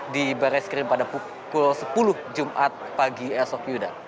di barreskrim pada pukul sepuluh jumat pagi esok yuda